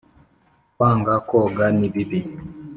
kwanga koga ni bibi